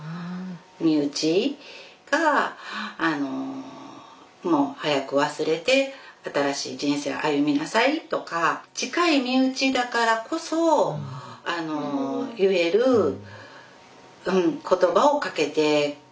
身内があのもう早く忘れて新しい人生歩みなさいとか近い身内だからこそ言える言葉をかけてくれたんですよね。